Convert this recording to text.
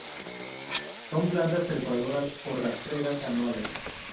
Son plantas trepadoras o rastreras anuales.